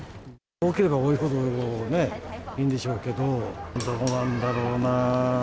多ければ多いほどね、いいんでしょうけど、どうなんだろうな。